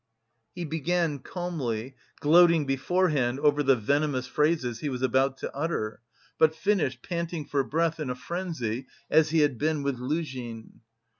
He began calmly, gloating beforehand over the venomous phrases he was about to utter, but finished, panting for breath, in a frenzy, as he had been with Luzhin.